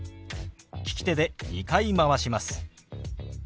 利き手で２回回します。